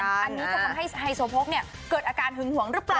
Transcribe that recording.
อันนี้ก็ทำให้โซโพกเนี่ยเกิดอาการหึงหวังรึเปล่า